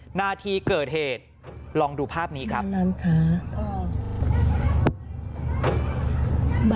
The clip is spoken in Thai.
หน้าที่เกิดเหตุลองดูภาพนี้ครับ